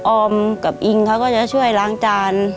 ออมกับอิงเขาก็จะช่วยล้างจาน